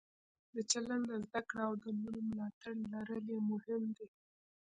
د چلند زده کړه او د نورو ملاتړ لرل یې مهم دي.